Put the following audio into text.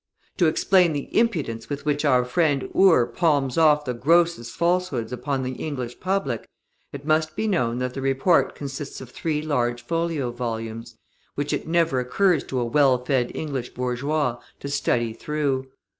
To explain the impudence with which our friend Ure palms off the grossest falsehoods upon the English public, it must be known that the report consists of three large folio volumes, which it never occurs to a well fed English bourgeois to study through.